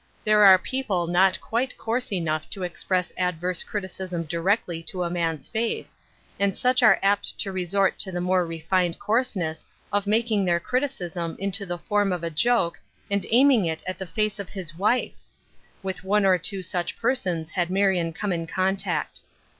There are people not quite coarse enough to express adverse criticism directly to a man's face, and such are apt to resort to the more refined coarseness of making their criticism Other People's Crosses, 153 into the form of a joke, and aiming it at thh face of his wife I With one or two such persons had Marion come in contact.